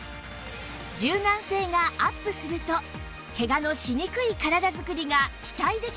柔軟性がアップするとケガのしにくい体づくりが期待できます